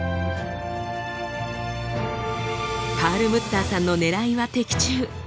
パールムッターさんのねらいは的中。